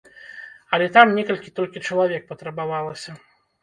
Але там некалькі толькі чалавек патрабавалася.